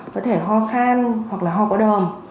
có thể ho khan hoặc là ho có đờm